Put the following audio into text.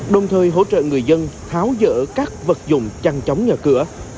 đồng thời hỗ trợ người dân tháo dỡ các vật dụng chăn chống nhà cửa